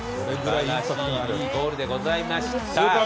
いいゴールでございました。